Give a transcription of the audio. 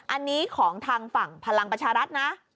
อันนี้ของทางฝั่งพลังประชารัฐนะ